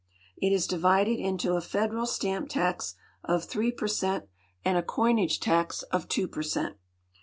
It is divided into a federal stamp tax of 3 per cent and a coinage tax of 2 per cent.